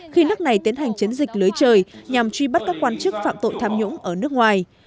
khi nước này tiến hành chiến dịch lưới trời nhằm truy bắt các quan chức phạm tội tham nhũng ở nước ngoài